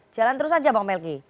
jalan terus saja bang melki